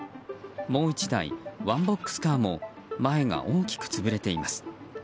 もう１台、ワンボックスカーも前が大きく潰れています。